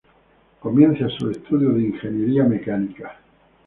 Comienza sus estudios de Ingeniería mecánica.